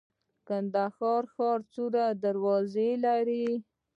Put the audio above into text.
کندهار ښار څو دروازې لري؟